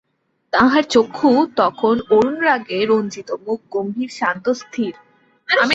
তাঁহার চক্ষু তখন অরুণরাগে রঞ্জিত, মুখ গম্ভীর, শান্ত, স্থির।